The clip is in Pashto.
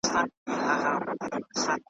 د رحمن بابا شعر ولي تر اوسه ژوندی دی؟ .